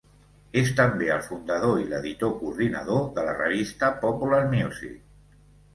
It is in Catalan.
És també el fundador i l'editor coordinador de la revista "Popular Music".